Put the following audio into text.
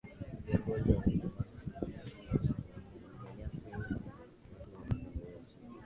viongozi wamewanyanyasa ila watu hawa hawana uwezo